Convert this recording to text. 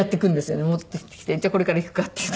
戻ってきてじゃあこれから行くかっていう。